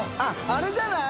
あれじゃない？